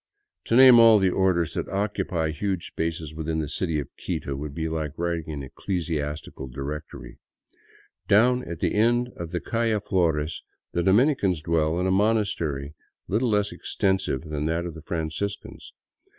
to name all the orders, that occupy huge spaces within the city of Quito would be like writing an ecclesiastical directory. Down at the end of the calle Flores the Dominicans dwell in a monastery little less extensive than that of the Franciscans.